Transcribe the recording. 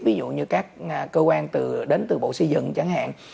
ví dụ như các cơ quan đến từ bộ xây dựng chẳng hạn